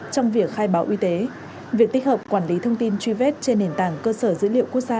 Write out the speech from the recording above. trong việc khai báo y tế việc tích hợp quản lý thông tin truy vết trên nền tảng cơ sở dữ liệu quốc gia